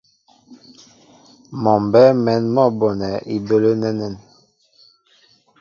Mɔ mbɛ́ɛ́ mɛ̌n mɔ́ bonɛ ibələ́ nɛ́nɛ́.